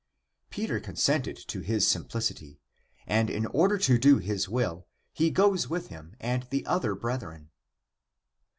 Peter consented to his simplicity, and in order to do his will, he goes with him and the other brethren.